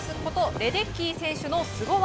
レデッキー選手のスゴ技。